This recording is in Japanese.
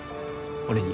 俺に。